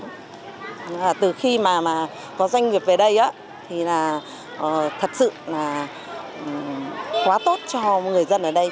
nói chung là từ khi mà có doanh nghiệp về đây thì là thật sự là quá tốt cho người dân ở đây